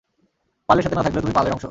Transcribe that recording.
পালের সাথে না থাকলেও, তুমি পালের অংশ।